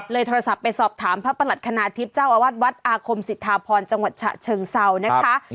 โทรศัพท์ไปสอบถามพระประหลัดคณาทิพย์เจ้าอาวาสวัดอาคมสิทธาพรจังหวัดฉะเชิงเซานะคะ